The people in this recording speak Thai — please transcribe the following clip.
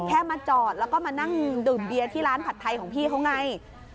มาจอดแล้วก็มานั่งดื่มเบียร์ที่ร้านผัดไทยของพี่เขาไง